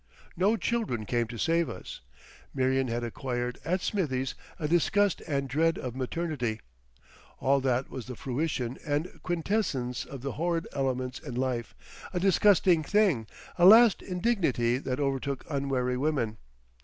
No children came to save us. Marion had acquired at Smithie's a disgust and dread of maternity. All that was the fruition and quintessence of the "horrid" elements in life, a disgusting thing, a last indignity that overtook unwary women.